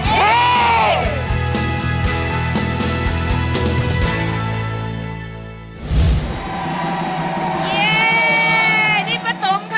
นี่ป้าตุ๋มค่ะ